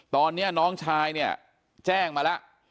ตอนนี้น้องชายเนี่ยแจ้งมาแล้ว